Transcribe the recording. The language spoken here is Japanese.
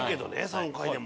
３回でも。